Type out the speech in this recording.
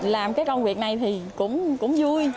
làm cái công việc này thì cũng vui